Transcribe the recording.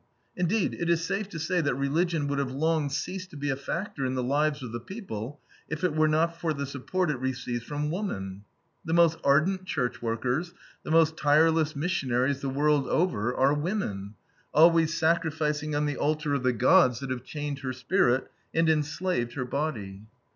Indeed, it is safe to say that religion would have long ceased to be a factor in the lives of the people, if it were not for the support it receives from woman. The most ardent churchworkers, the most tireless missionaries the world over, are women, always sacrificing on the altar of the gods that have chained her spirit and enslaved her body.